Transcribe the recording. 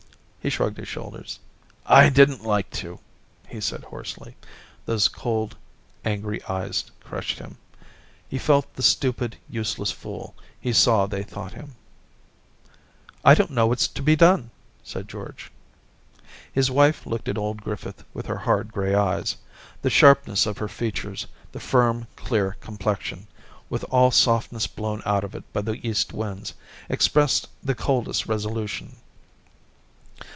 He shrugged his shoulders. ' I didn't like to,* he said hoarsely ; those cold, angry eyes crushed him ; he felt the stupid, useless fool he saw they thought him. ' I don't know what's to be done,' said George. His wife looked at old Griffith with her hard, grey eyes ; the sharpness of her features, the firm, clear complexion, with all softness blown out of it by the east winds, expressed the coldest resolution.